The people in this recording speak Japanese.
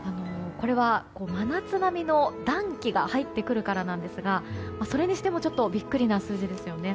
これは真夏並みの暖気が入ってくるからなんですがそれにしてもちょっとビックリな数字ですよね。